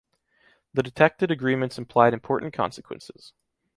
The detected agreements implied important consequences.